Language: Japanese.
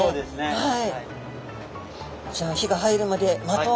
はい。